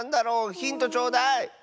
ヒントちょうだい！